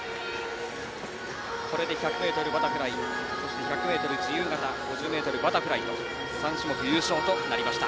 これで１００ｍバタフライそして、１００ｍ自由形５０ｍバタフライと３種目、優勝となりました。